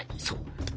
そう！